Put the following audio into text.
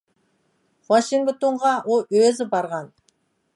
ۋاشىنگتونغا ئۇ ئۆزى بارغان.